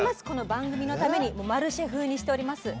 この番組のためにマルシェ風にしております。